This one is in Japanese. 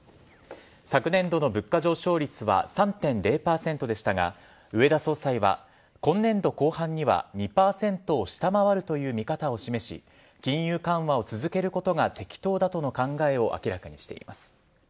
昨年度の物価上昇率は３．０％でしたが植田総裁は今年度後半には２％を下回るという見方を示し金融緩和を続けることが適当だとの考えを明らかにしています。